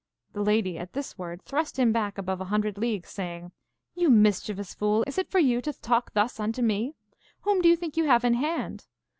The lady at this word thrust him back above a hundred leagues, saying, You mischievous fool, is it for you to talk thus unto me? Whom do you think you have in hand?